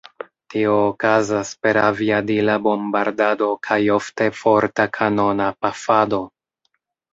Tio okazas per aviadila bombardado kaj ofte forta kanona pafado.